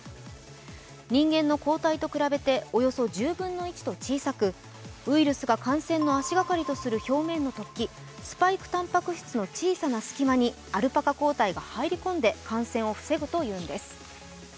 人間の抗体と比べておよそ１０分の１と小さくウイルスが感染の足がかりとする表面の突起、スパイクタンパク質の小さな隙間にアルパカ抗体が入り込んで感染を防ぐというのです。